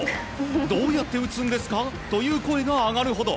どうやって打つんですか？という声が上がるほど。